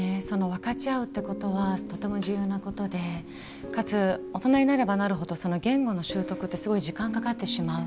分かち合うっていうことはとても重要なことでかつ、大人になればなる程その言語の習得ってすごい時間がかかってしまう。